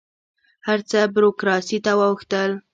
هر څه بروکراسي ته واوښتل.